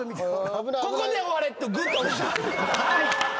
ここで終われグッと押した。